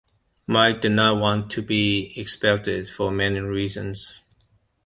Mike did not want to be expelled, for many reasons.